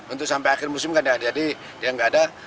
untuk sampai akhir musim kan ada jadi ya nggak ada